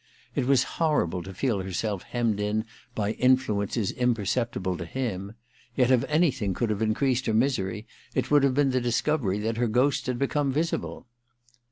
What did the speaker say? It was horrible to feel herself hemmed in by influences imperceptible to him ; yet if any thing could have increased her misery it would have been the discovery that her ghosts had become visible.